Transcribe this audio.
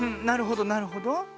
なるほどなるほど。